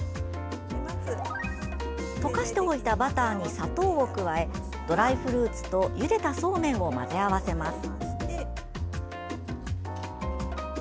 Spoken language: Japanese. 溶かしておいたバターに砂糖を加えドライフルーツとゆでたそうめんを混ぜ合わせます。